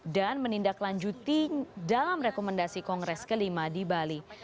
dan menindaklanjuti dalam rekomendasi kongres ke lima di bali